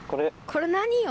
これ何よ？